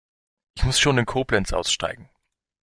Ich muss schon in Koblenz aussteigen